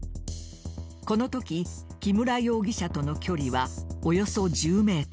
このとき、木村容疑者との距離はおよそ１０ｍ。